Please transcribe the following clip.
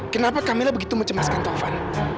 kenapa kamela begitu mencemaskan taufan